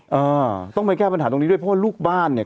อ่าต้องไปแก้ปัญหาตรงนี้ด้วยเพราะว่าลูกบ้านเนี่ย